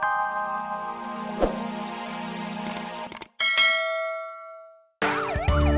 kata sudah pada tunggu tuh